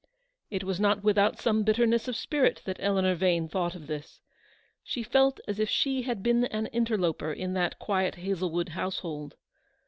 It was not without some bitterness of spirit that Eleanor Vane thought of this. She felt as if she had been an interloper in that quiet Hazlewood house hold.